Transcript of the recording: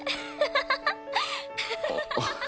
ハハハハ！